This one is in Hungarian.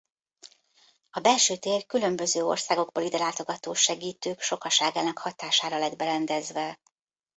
A belső tér különböző országokból idelátogató segítők sokaságának hatására lett berendezve.